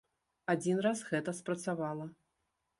Адзін раз гэта спрацавала.